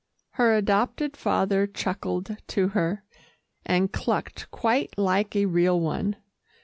Her adopted father chuckled to her, and clucked quite like a real one.